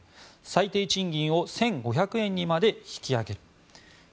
最低賃金を１５００円にまで引き上げる。